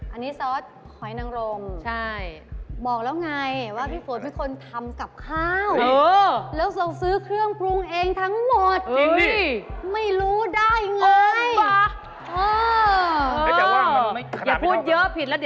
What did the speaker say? อันนี้ซอสหอยนังรมใช่บอกแล้วไงว่าพี่ฝนเป็นคนทำกับข้าวแล้วทรงซื้อเครื่องปรุงเองทั้งหมด